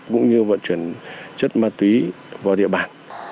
cũng như vận chuyển chất cấm